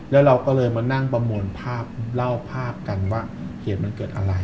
แล้วเราก็เลยมานั่งประมวลภาพเล่าภาพกันว่าเหตุมันเกิดอะไร